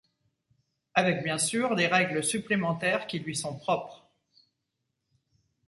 Avec bien sûr des règles supplémentaires qui lui sont propres.